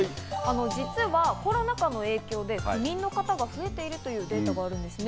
実はコロナ禍の影響で不眠の方が増えているというデータがあるんですね。